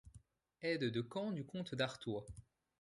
Aide de camp du comte d'Artois.